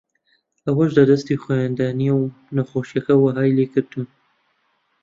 ئەوەش لەدەستی خۆیاندا نییە و نەخۆشییەکە وەهای لێکردوون